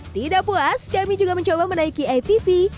tidak puas kami juga mencoba menaiki itv